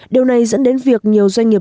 điều này dẫn đến việc nhiều doanh nghiệp